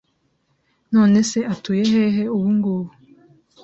None se atuye hehe ubungubu